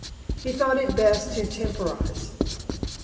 He thought it best to temporize.